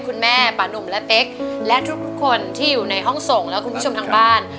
คุณแม่ป่านุ่มและเป๊กและทุกคนที่อยู่ในห้องส่งและคุณผู้ชมทางบ้าน